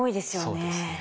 そうですね。